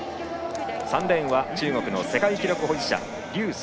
３レーンは中国の世界記録保持者劉翠